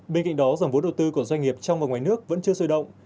bên cạnh đó dòng vốn đầu tư của doanh nghiệp trong và ngoài nước vẫn chưa sôi động